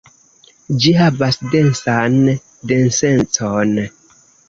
Ĝi havas densan densecon.